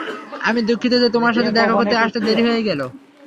আমি দুঃখিত যে তোমার সাথে দেখা করতে আসতে দেরি হয়ে গেল!